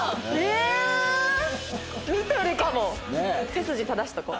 背筋正しとこ！